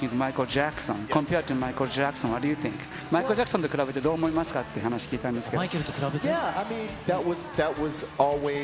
マイケル・ジャクソンと比べてどう思いますかって話を聞いたんですけど。